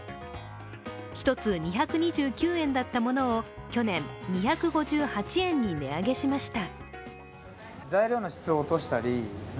１つ２２９円だったものを去年２５８円に値上げしました。